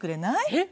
えっ？